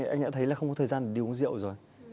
anh đã thấy là không có thời gian để đi uống rượu rồi